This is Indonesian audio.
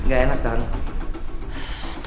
gak enak tante